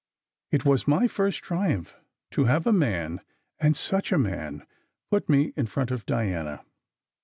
It was my first triumph to have a man and such a man put me in front of Diana.